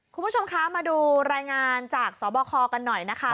คุณผู้ชมคะมาดูรายงานจากสบคกันหน่อยนะคะ